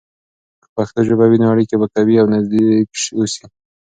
که پښتو ژبه وي، نو اړیکې به قوي او نزدیک اوسي.